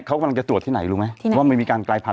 เขากำลังจะตรวจที่ไหนรู้ไหมที่ไหนว่ามันมีการกลายพันธุ์